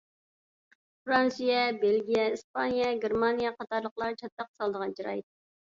فىرانسىيە، بېلگىيە، ئىسپانىيە، گېرمانىيە قاتارلىقلار چاتاق سالىدىغان چىراي.